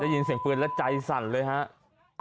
ยินเสียงปืนแล้วใจสั่นเลยครับ